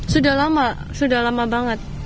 sudah lama sudah lama banget